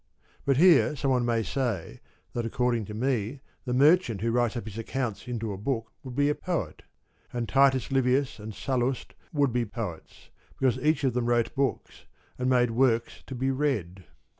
But here someone may say that according to me the merchant who writes up his accounts into a book would be a poet ; and Titus Livius and Sallust would be poets, because each of them wrote books, and made works to be read.